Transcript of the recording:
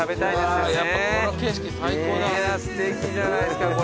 すてきじゃないですかこれ。